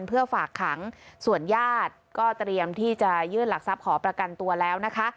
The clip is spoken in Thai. เพื่อฝากขังส่วนญาติก็เตรียมที่จะยื่นหลักทรัพย์ขอประกันตัวแล้วนะคะ